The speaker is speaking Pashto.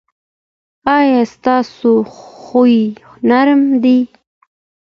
ایا ستاسو خوی نرم دی؟